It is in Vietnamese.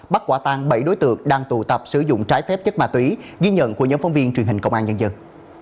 bắt quả tang bảy đối tượng đang tụ tập sử dụng trái phép chất ma túy ghi nhận của nhóm phóng viên truyền hình công an nhân dân